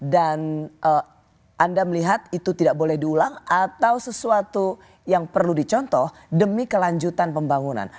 dan anda melihat itu tidak boleh diulang atau sesuatu yang perlu dicontoh demi kelanjutan pembangunan